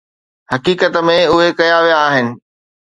حقيقت ۾ اهي ڪيا ويا آهن.